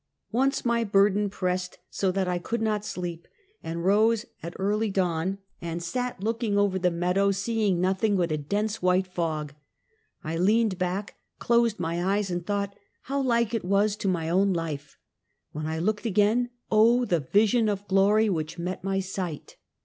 Once my burden pressed so that I could not sleep, and rose at early dawn, and sat look 90 Half a Oentuet. ing over the meadow, seeing nothing but a dense, white fog. I leaned back, closed my eyes and thought how like it was to mjown life. "When I looked again, oh, the vision of glory which met my sight!